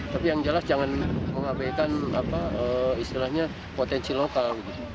tapi yang jelas jangan mengabaikan istilahnya potensi lokal